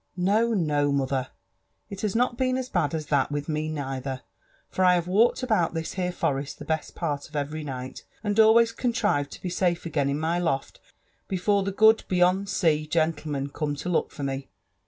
No, no, mother, 't has not been as bad as that with me neither; for I have walked about this here forest the best part of every night, and always contrived to be safe again in my loft before the good beyond sea gentleman came to look for me."